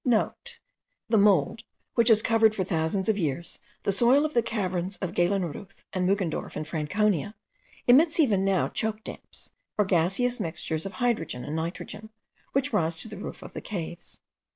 (* The mould, which has covered for thousands of years the soil of the caverns of Gaylenreuth and Muggendorf in Franconia, emits even now choke damps, or gaseous mixtures of hydrogen and nitrogen, which rise to the roof of the caves.